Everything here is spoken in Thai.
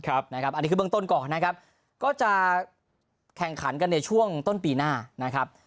อันนี้คือเบื้องต้นก่อนนะครับก็จะแข่งขันกันในช่วงต้นปีหน้านะครับ